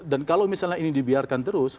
dan kalau misalnya ini dibiarkan terus